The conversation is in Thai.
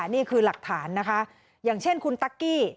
นี่คือหลักฐานนะคะอย่างเช่นคุณตั๊กกี้